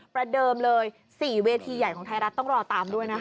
ประเดิมเลย๔เวทีใหญ่ของไทยรัฐต้องรอตามด้วยนะคะ